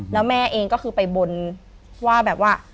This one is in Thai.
แล้วแม่เองก็คือไปบนว่าแบบว่า